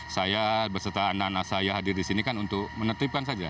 saya berserta anak anak saya hadir di sini kan untuk menetipkan saja